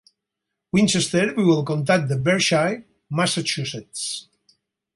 Winchester viu al comtat de Berkshire, Massachusetts.